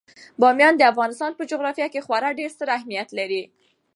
بامیان د افغانستان په جغرافیه کې خورا ډیر ستر اهمیت لري.